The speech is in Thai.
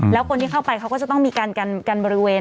แล้วคนที่เข้าไปเขาก็จะต้องมีการกันบริเวณ